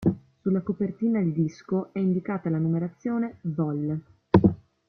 Sulla copertina il disco è indicata la numerazione "vol.